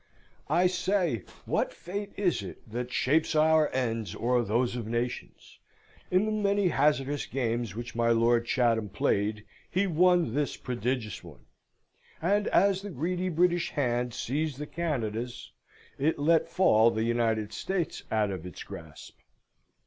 I say, what fate is it that shapes our ends, or those of nations? In the many hazardous games which my Lord Chatham played, he won this prodigious one. And as the greedy British hand seized the Canadas, it let fall the United States out of its grasp.